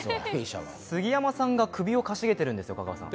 杉山さんが首をかしげているんですよ、香川さん。